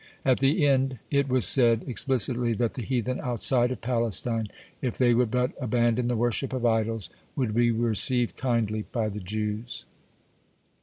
At the end it was said explicitly that the heathen outside of Palestine, if they would but abandon the worship of idols, would be received kindly by the Jews.